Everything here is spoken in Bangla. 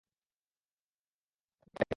পরিস্থিতি পাল্টে গেছে।